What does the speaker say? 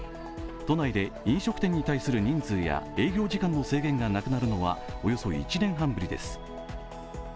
都内で飲食店に対する人数や営業時間の制限がなくなるのはおよそ１年半ぶりです。